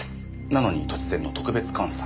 なのに突然の特別監査。